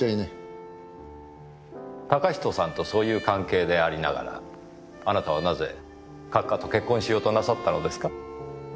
嵩人さんとそういう関係でありながらあなたはなぜ閣下と結婚しようとなさったのですか？